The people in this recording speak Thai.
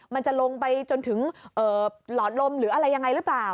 มันจะลงไปจนถึงหลอดลมหรืออะไรยังไงหรือเปล่า